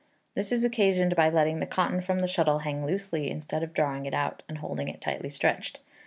This is occasioned by letting the cotton from the shuttle hang loosely instead of drawing it out and holding it tightly stretched.